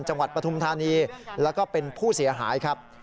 จังหวัดปทุมธานีแล้วก็เป็นผู้เสียหายครับ